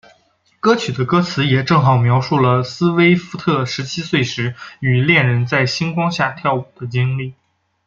歌曲的歌词也正好描述了斯威夫特十七岁时与恋人在星光下跳舞的经历。